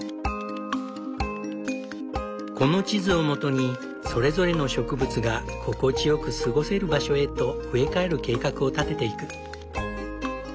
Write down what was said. この地図をもとにそれぞれの植物が心地よく過ごせる場所へと植え替える計画を立てていく。